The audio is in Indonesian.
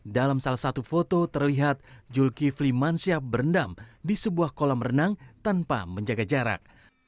dalam salah satu foto terlihat zulkifli mansyah berendam di sebuah kolam renang tanpa menjaga jarak